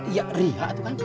iya ria itu kan